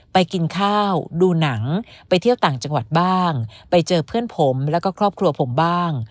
ไปกินข้าวดูหนังไปเที่ยวต่างจังหวัดบ้างไปเจอเพื่อนผมแล้วก็ครอบครัวผมบ้าง